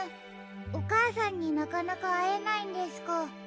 おかあさんになかなかあえないんですか。